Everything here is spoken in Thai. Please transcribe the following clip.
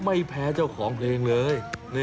ไม่แพ้เจ้าของเพลงเลย